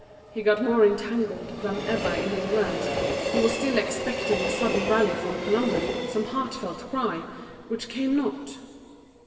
He got more entangled than ever in his words, he was still expecting a sudden rally from Colomban, some heartfelt cry, which came not.